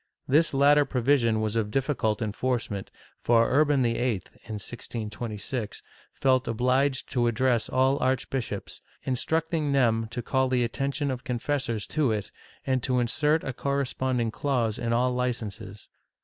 This latter pro vision was of difficult enforcement, for Urban YIII, in 1626, felt obliged to address all archbishops, instructing them to call the attention of confessors to it, and to insert a corresponding clause in all licences.